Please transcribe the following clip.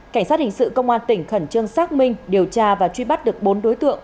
cảnh sát hình sự công an tỉnh khẩn trương xác minh điều tra và truy bắt được bốn đối tượng